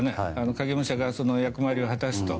影武者がその役回りを果たすと。